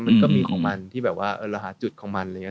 มันก็มีของมันที่แบบว่าเราหาจุดของมันอะไรอย่างนี้